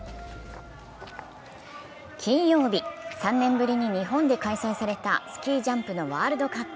金曜日、３年ぶりに日本で開催されたスキージャンプのワールドカップ。